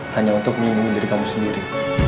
hanya untuk melindungi diri kamu sendiri